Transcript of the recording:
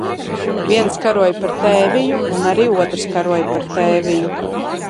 Viens karoja par Tēviju, un arī otrs karoja par Tēviju.